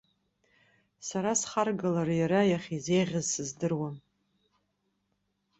Сара схаргалар иара иахьазеиӷьыз сыздыруам.